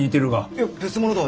いや別物だ。